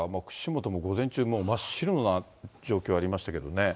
串本も午前中、もう真っ白な状況ありましたけれどもね。